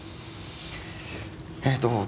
えっと